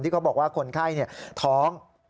เขาบอกว่าคนไข้ท้อง